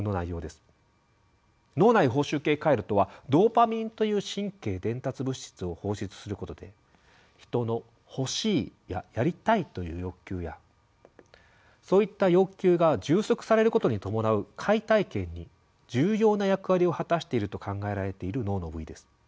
脳内報酬系回路とはドーパミンという神経伝達物質を放出することで人の「欲しい」や「やりたい」という欲求やそういった欲求が充足されることに伴う快体験に重要な役割を果たしていると考えられている脳の部位です。